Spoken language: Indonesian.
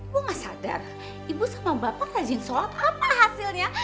gue gak sadar ibu sama bapak rajin sholat apa hasilnya